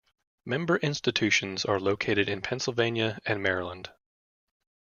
Member institutions are located in Pennsylvania and Maryland.